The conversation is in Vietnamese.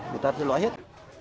người ta lấy rõ hết